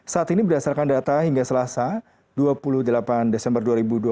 saat ini berdasarkan data hingga selasa dua puluh delapan desember dua ribu dua puluh